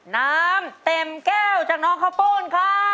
น้ำเต็มแก้วจากน้องข้าวปุ้นค่ะ